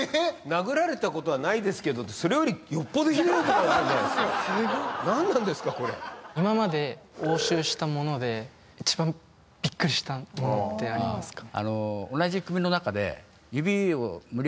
殴られたことはないですけどってそれよりよっぽどひどいことあったんじゃないっすか何なんですかこれ今まで押収したもので一番ビックリしたものってありますか？